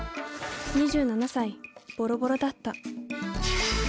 ２７歳ボロボロだった。